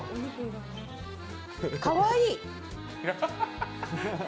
かわいい！